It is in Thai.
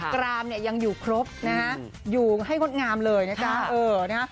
กรามเนี่ยยังอยู่ครบนะฮะอยู่ให้งดงามเลยนะจ๊ะ